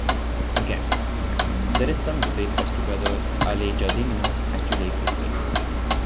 Against: There is some debate as to whether Aleijadinho actually existed.